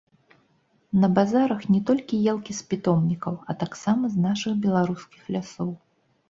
На базарах не толькі елкі з пітомнікаў, а таксама з нашых беларускіх лясоў.